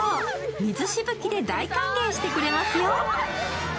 水しぶきで大歓迎してくれますよ。